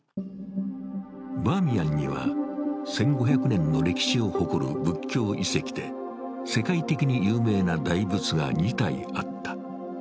バーミヤンには１５００年の歴史を誇る仏教遺跡で世界的に有名な大仏が２体あった。